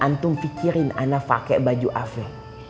ntum fikirin ana pakai baju ave